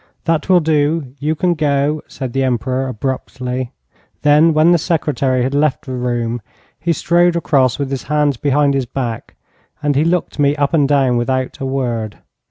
'That will do. You can go,' said the Emperor, abruptly. Then, when the secretary had left the room, he strode across with his hands behind his back, and he looked me up and down without a word.